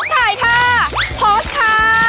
ถ่ายค่ะพอสค่ะ